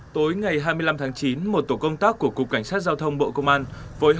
tối ngày hai mươi năm tháng chín một tổ công tác của cục cảnh sát giao thông bộ công an đã bắt giữ được võ tiến mạnh